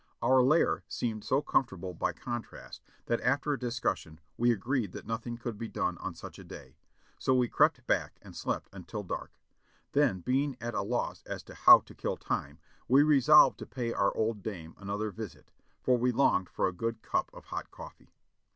Our lair seemed so comfort able by contrast that after a discussion we agreed that nothing could be done on such a day, so we crept back and slept until dark ; then being at a loss as to how to kill time, we resolved to pay our old dame another visit, for we longed for a good cup of hot coffee.